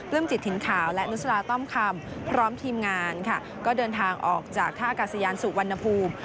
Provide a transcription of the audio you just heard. ืมจิตถิ่นขาวและนุสลาต้อมคำพร้อมทีมงานค่ะก็เดินทางออกจากท่ากาศยานสุวรรณภูมิ